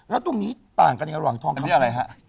แล้วตรงนี้ต่างกันกับหวังทองคำแท่ง